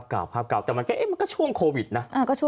เก่าภาพเก่าแต่มันก็ช่วงโควิดนะ